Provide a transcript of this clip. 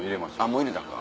もう入れたんか。